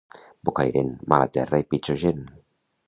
Bocairent, mala terra i pitjor gent.